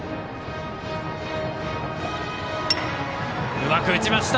うまく打ちました